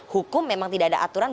hukum memang tidak ada aturan